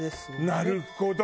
なるほど。